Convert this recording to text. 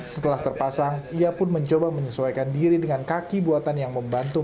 setelah terpasang ia pun mencoba menyesuaikan diri dengan kaki buatan yang membantu